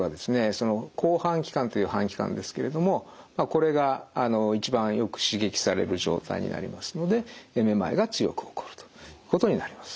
その後半規管という半規管ですけれどもこれが一番よく刺激される状態になりますのでめまいが強く起こるということになります。